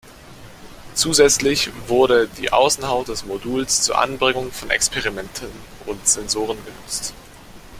Zusätzlich wurde die Außenhaut des Moduls zur Anbringung von Experimenten und Sensoren genutzt.